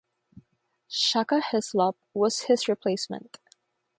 Shaka Hislop was his replacement.